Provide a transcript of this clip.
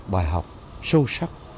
bài học sâu sắc